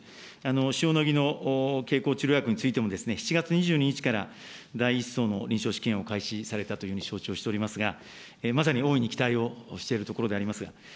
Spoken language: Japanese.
塩野義の経口治療薬についても７月２２日から、第１相の臨床試験を開始されたというふうに承知をしておりますが、まさに大いに期待をしているところであります。